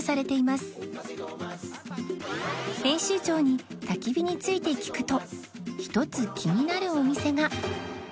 編集長に焚き火について聞くと１つ気になるお店が